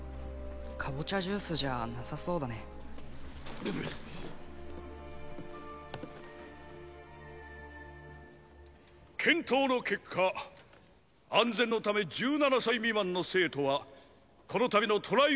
かぼちゃジュースじゃなさそうだね検討の結果安全のため１７歳未満の生徒はこの度のトライ